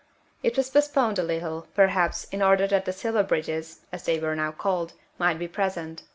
It was postponed a little, perhaps, in order that the Silverbridges, as they were now called, might be present.